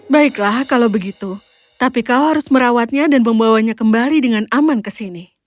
baiklah kalau begitu tapi kau harus merawatnya dan membawanya kembali dengan aman ke sini